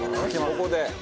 ここで。